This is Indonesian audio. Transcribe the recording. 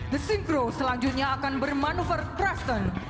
the scene crew selanjutnya akan bermanuver trust and